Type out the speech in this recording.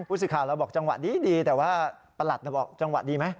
ผู้สื่อข่าวเราบอกจังหวะดีแต่ว่าประหลัดบอกจังหวะดีไหม